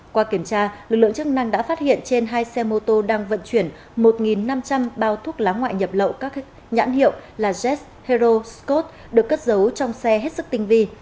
qua kiểm tra lực lượng chức năng đã phát hiện trên hai xe mô tô đang vận chuyển một năm trăm linh bao thuốc lá ngoại nhập lậu các nhãn hiệu là jet hero scott được cất giấu trong xe hết sức tinh vi